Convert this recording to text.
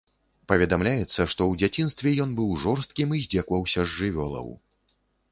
Паведамляецца, што ў дзяцінстве ён быў жорсткім і здзекаваўся з жывёлаў.